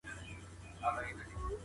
تاسو په خپله برخه کي متخصص شئ.